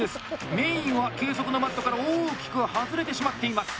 メインは計測のマットから大きく外れてしまっています。